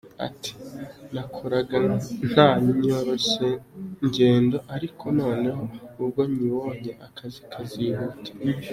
Ati: “Nakoraga nta nyoroshyangendo, ariko noneho ubwo nyibonye akazi kazihuta”.